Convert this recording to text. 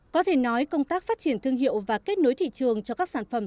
có thể nói công tác phát triển thương hiệu và kết nối thị trường cho các sản phẩm